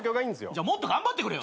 じゃあもっと頑張ってくれよ。